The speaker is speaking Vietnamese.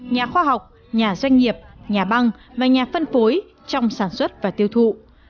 nhà khoa học nhà doanh nghiệp nhà băng và nhà phân phối trong sản xuất và tiêu thụ